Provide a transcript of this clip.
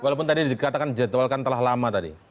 walaupun tadi dikatakan jadwalkan telah lama tadi